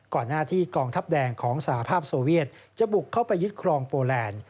ก่อนหน้าที่กองทัพแดงของสหภาพโซเวียตจะบุกเข้าไปยึดครองโปแลนด์